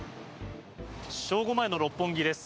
正午前の六本木です。